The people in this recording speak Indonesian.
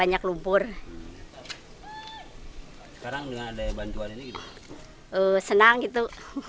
ya kotor pak banyak itu